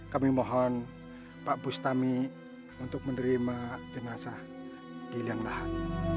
kami mohon pak bustami untuk menerima jenazah di lianglahan